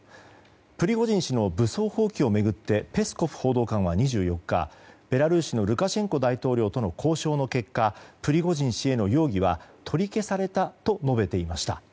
プリゴジン氏の武装蜂起を巡ってペスコフ報道官は２４日ベラルーシのルカシェンコ大統領との交渉の結果プリゴジン氏への容疑は取り消されたと述べていました。